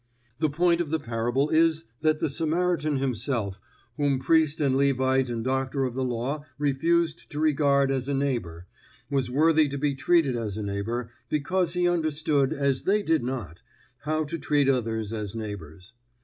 The point of the parable is that the Samaritan himself, whom priest and Levite and doctor of the law refused to regard as a neighbor, was worthy to be treated as a neighbor, because he understood, as they did not, how to treat others as neighbors.